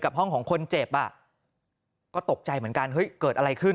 ห้องของคนเจ็บอ่ะก็ตกใจเหมือนกันเฮ้ยเกิดอะไรขึ้น